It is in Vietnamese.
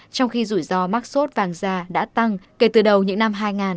trong khi rủi ro mắc sốt vàng da đã tăng kể từ đầu những năm hai nghìn